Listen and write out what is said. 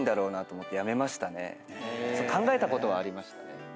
考えたことはありましたね。